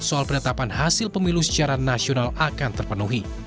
soal penetapan hasil pemilu secara nasional akan terpenuhi